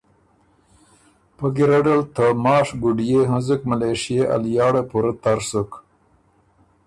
فۀ ګیرډ ال ته ماشک ګُډئے هنزُک ملېشئے ا لیاړه پُورۀ تر سُک